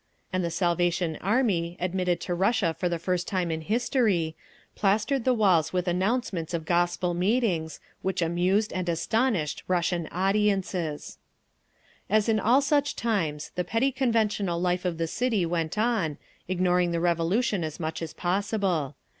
And the Salvation Army, admitted to Russia for the first time in history, plastered the walls with announcements of gospel meetings, which amused and astounded Russian audiences…. As in all such times, the petty conventional life of the city went on, ignoring the Revolution as much as possible.